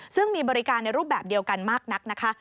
ซึ่งมีบริการในรูปแบบเดียวกันมากนักนะคะ